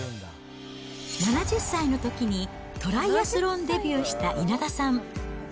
７０歳のときにトライアスロンデビューした稲田さん。